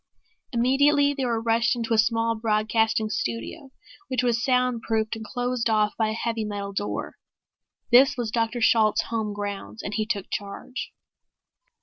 Immediately they were ushered into a small broadcasting studio which was soundproofed and closed off by a heavy metal door. This was Dr. Shalt's home grounds and he took charge.